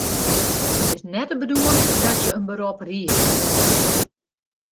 It is net de bedoeling dat je in berop riede.